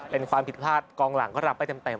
เป็นความผิดพลาดกองหลังก็รับไปเต็ม